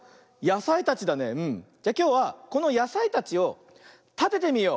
じゃきょうはこのやさいたちをたててみよう。